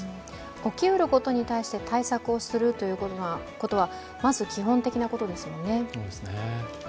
起きうることに対して対策をするということはまず基本的なことですよね。